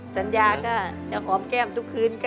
สัญญาค่ะจะหอมแก้มทุกคืนค่ะ